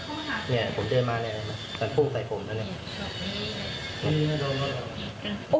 โอ้โฮ